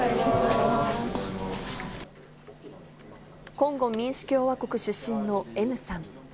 コンゴ民主共和国出身のＮさん。